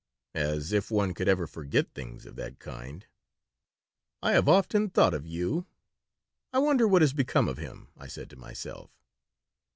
"As if one could ever forget things of that kind." "I have often thought of you. 'I wonder what has become of him,' I said to myself."